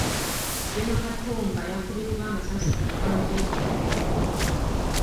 Gen. Katumba yakubiddwa amasasi ku mikono gye gyombi.